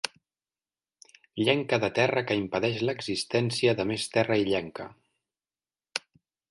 Llenca de terra que impedeix l'existència de més terra illenca.